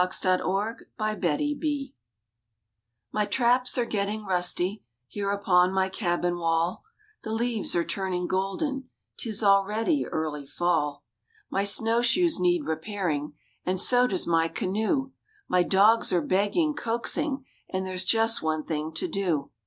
*THE CALL OF NATURE* My traps are getting rusty Here upon my cabin wall; The leaves are turning golden, 'Tis already early fall. My snow shoes need repairing, And so does my canoe; My dogs are begging, coaxing, And there's just one thing to do.